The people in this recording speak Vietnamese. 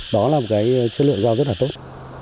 đó là một cái chất lượng rau rất là tốt